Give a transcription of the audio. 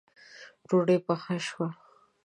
ډوډۍ پخه شوه